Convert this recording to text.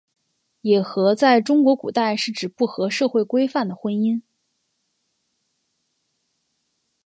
野合在中国古代是指不合社会规范的婚姻。